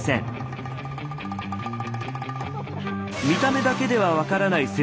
見た目だけでは分からない